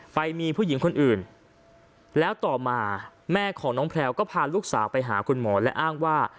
ไปมีผู้หญิงคนอื่นแล้วต่อมาแม่ของน้องแพลวก็พาลูกสาวไปหาคุณหมอและอ้างว่า